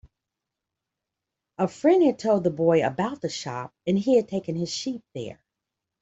A friend had told the boy about the shop, and he had taken his sheep there.